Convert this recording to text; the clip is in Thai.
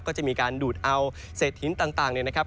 ก็จะมีการดูดเอาเศษหินต่างเนี่ยนะครับ